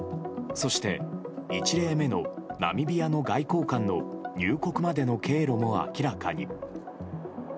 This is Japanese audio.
そして１例目のナミビアの外交官の入国までの経路も明らかに。